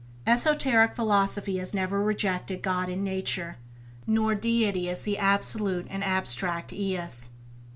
Esoteric philosophy has never rejected God in Nature, nor Deity as the absolute and abstract eus.